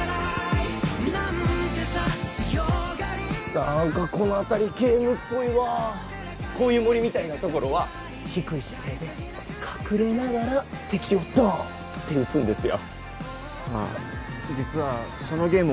何かこのあたりゲームっぽいわこういう森みたいなところは低い姿勢で隠れながら敵をドーンって撃つんですよはあ実はそのゲーム